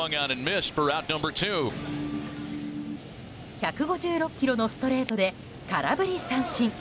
１５６キロのストレートで空振り三振。